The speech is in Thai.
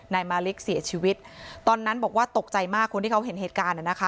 นายมาลิกเสียชีวิตตอนนั้นบอกว่าตกใจมากคนที่เขาเห็นเหตุการณ์นะคะ